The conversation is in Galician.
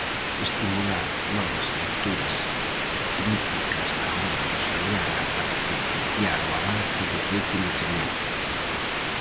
Estimular novas lecturas críticas da obra rosaliana para propiciar o avance do seu coñecemento.